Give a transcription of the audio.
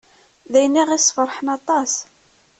D ayen i aɣ-yesferḥen aṭas.